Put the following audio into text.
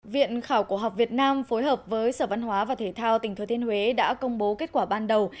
viện khảo cổ học việt nam phối hợp với sở văn hóa và thể thao tỉnh thừa thiên huế đã công bố kết quả ban đầu